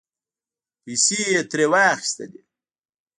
پیسې یې ترې واخستلې